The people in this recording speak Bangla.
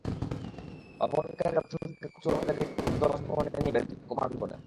অপহরণকারীরা প্রথমে তাঁকে কচুয়া বাজারে একটি দোতলা বাসভবনে নিয়ে বেধড়ক মারধর করে।